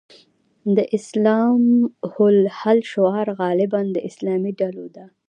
د الاسلام هو الحل شعار غالباً د اسلامي ډلو ده.